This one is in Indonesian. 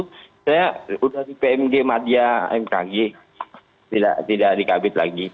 saya sudah di pmg madya mkg tidak dikabit lagi